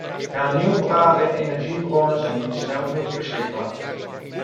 Hernieuwbare energiebronnen zijn niet snel genoeg beschikbaar.